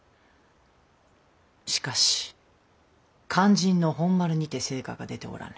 しかし肝心の本丸にて成果が出ておらぬ。